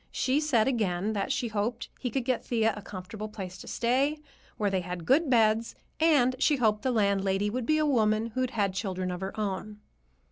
She said again that she hoped he could get Thea a comfortable place to stay, where they had good beds, and she hoped the landlady would be a woman who'd had children of her own.